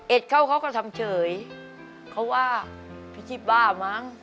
เข้าเขาก็ทำเฉยเขาว่าพี่ชีพบ้ามั้ง